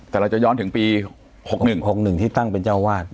แต่เราจะย้อนถึงปี๖๑๖๑ที่ตั้งเป็นเจ้าวาด